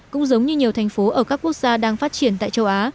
cũng giống như nhiều thành phố ở các quốc gia đang phát triển tại châu á